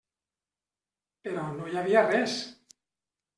Però no hi havia res.